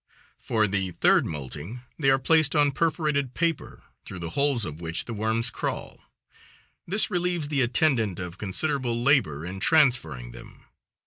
For the third moulting they are placed on perforated paper, through the holes of which the worms crawl. This relieves the attendant of considerable labor in transferring them.